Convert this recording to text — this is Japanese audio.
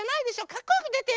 かっこよくでてよ。